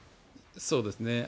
そうですね。